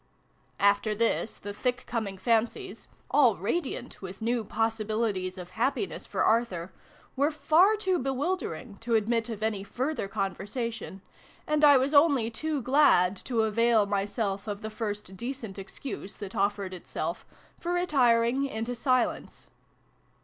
' After this, the thick coming fancies all radiant with new possibilities of happiness for Arthur were far too bewildering to admit of any further conversation, and I was only too glad to avail myself of the first decent excuse, that offered itself, for retiring into silence.